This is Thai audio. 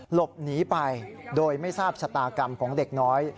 หลบหนีไปโดยไม่ทราบชะตากรรมของเด็กน้อย